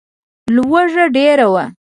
لوږه ډېره وه.